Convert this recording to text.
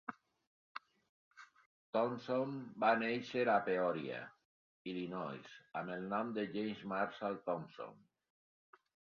Thompson va néixer a Peoria, Illinois, amb el nom de James Marshall Thompson.